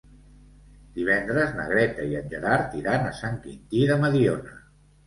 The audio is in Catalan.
Divendres na Greta i en Gerard iran a Sant Quintí de Mediona.